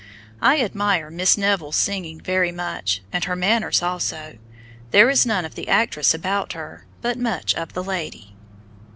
I admire Miss Neville's singing very much; and her manners also; there is none of the actress about her, but much of the lady."